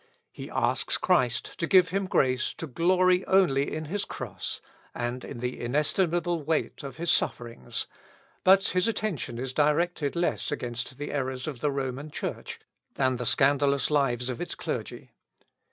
He asks Christ to give him grace to glory only in his cross, and in the inestimable weight of his sufferings, but his attention is directed less against the errors of the Roman Church, than the scandalous lives of its clergy.